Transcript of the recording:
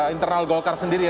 internal golkar sendiri ya